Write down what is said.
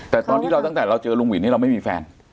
แต่ตอนที่เราตั้งแต่เราเจอลุงวินนี่เราไม่มีแฟน